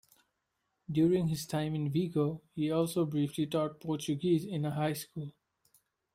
During his time in Vigo, he also briefly taught Portuguese in a high school.